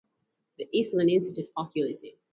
The Esalen Institute Faculty.